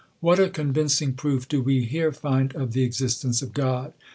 What a, convincing proof do we here find of the existence of: God